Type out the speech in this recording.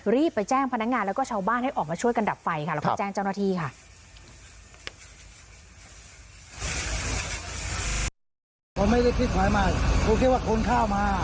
รีบไปแจ้งพนักงานแล้วก็ชาวบ้านให้ออกมาช่วยกันดับไฟค่ะ